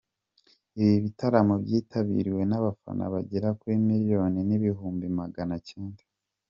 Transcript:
Ibi bitaramo byitabiriwe n’abafana bagera kuri miliyoni n’ibihumbi Maganacyenda.